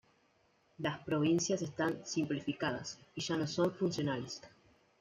Las provincias están 'simplificadas' y ya no son funcionales.